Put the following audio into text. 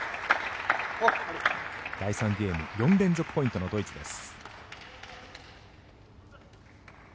第３ゲーム４連続ポイントのドイツです。